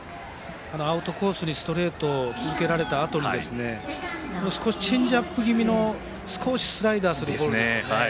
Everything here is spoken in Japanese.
アウトコースにストレート続けられたあと少しチェンジアップ気味の少しスライダーするボール。